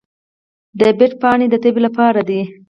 د بید پاڼې د تبې لپاره دي.